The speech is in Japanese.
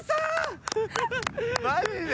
マジで？